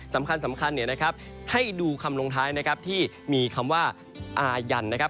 สำคัญเนี่ยนะครับให้ดูคำลงท้ายนะครับที่มีคำว่าอายันนะครับ